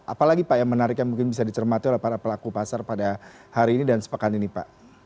apalagi pak yang menarik yang mungkin bisa dicermati oleh para pelaku pasar pada hari ini dan sepekan ini pak